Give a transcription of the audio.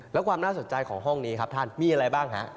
แล้วความน่าสนใจของห้องนี้ครับท่านมีอะไรบ้างฮะ